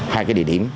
hai cái địa điểm